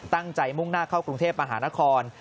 ตั้งใจมุ่งหน้าเข้ากรุงเทพฯอาหารคอน